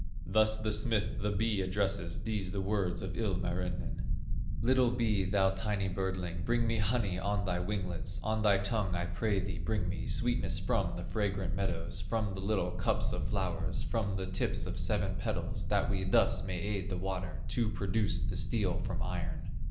"Thus the smith the bee addresses, These the words of Ilmarinen: 'Little bee, thou tiny birdling, Bring me honey on thy winglets, On thy tongue, I pray thee, bring me Sweetness from the fragrant meadows, From the little cups of flowers, From the tips of seven petals, That we thus may aid the water To produce the steel from iron.